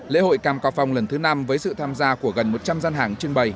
lễ hội cam cao phong lần thứ năm với sự tham gia của gần một trăm linh gian hàng trưng bày